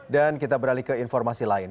dan kita beralih ke informasi lain